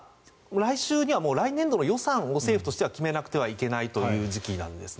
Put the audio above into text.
来週には来年度の予算を政府としては決めなくてはいけない時期なんですね。